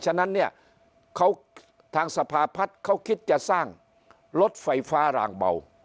ฉะนั้นเนี่ยเขาทางสภาพัฒน์เขาคิดจะสร้างรถไฟฟ้ารางเบา